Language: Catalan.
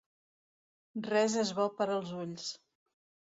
Res és bo per als ulls.